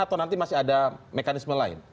atau nanti masih ada mekanisme lain